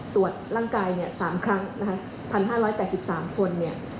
ตรวจร่างกาย๓ครั้ง๑๕๘๓คน